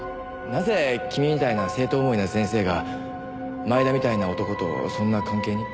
なぜ君みたいな生徒思いな先生が前田みたいな男とそんな関係に？